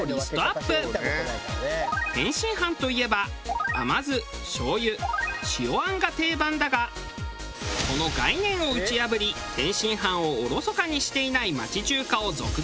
天津飯といえば甘酢醤油塩餡が定番だがその概念を打ち破り天津飯をおろそかにしていない町中華を続々ご紹介。